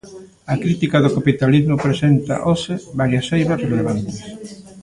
A crítica do capitalismo presenta, hoxe, varias eivas relevantes.